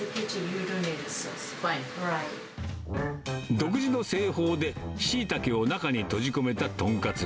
独自の製法で、しいたけを中に閉じ込めた豚カツ。